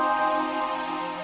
berhenti tahu aku